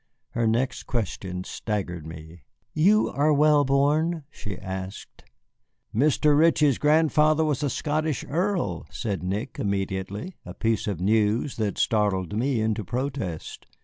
Her next question staggered me. "You are well born?" she asked. "Mr. Ritchie's grandfather was a Scottish earl," said Nick, immediately, a piece of news that startled me into protest.